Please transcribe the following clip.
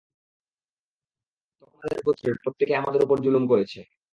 তখন আমাদের গোত্রের প্রত্যেকে আমাদের উপর জুলুম করেছে।